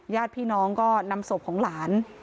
ย่าพี่น้องก็นำสภพฤติของหลาน